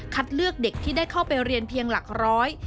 เลือกเด็กที่ได้เข้าไปเรียนเพียงหลักร้อย